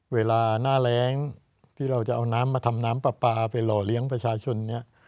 เวลาหน้าแรงที่เราจะเอาน้ำมาทำน้ำปลาปลาไปหล่อเลี้ยงประชาชนเนี่ย